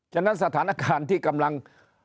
ฉะนั้นสถานการณ์ที่กำลัง